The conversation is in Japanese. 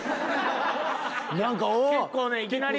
結構ねいきなり。